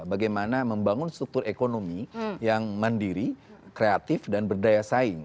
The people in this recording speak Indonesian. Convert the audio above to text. bagaimana membangun struktur ekonomi yang mandiri kreatif dan berdaya saing